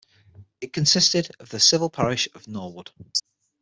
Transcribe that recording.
It consisted of the civil parish of Norwood.